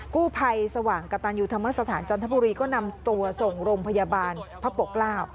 กู้ภัยสว่างกระตันยูธรรมสถานจันทบุรีก็นำตัวส่งโรงพยาบาลพระปกเกล้า